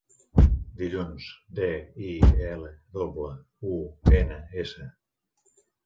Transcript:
Dilluns: de, i, ela doble, u, ena, essa.